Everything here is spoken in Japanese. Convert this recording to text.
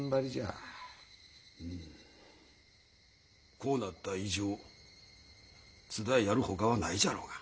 こうなった以上津田へやるほかはないじゃろうが。